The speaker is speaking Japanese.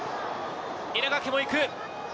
稲垣も行く。